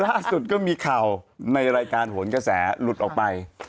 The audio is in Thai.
ล่าสุดก็มีข่าวในรายการโหนกระแสหลุดออกไป